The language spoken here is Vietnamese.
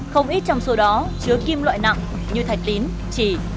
không ít trong số đó chứa kim loại nặng như thạch tín chỉ